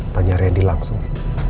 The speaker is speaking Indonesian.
tanya rendi langsung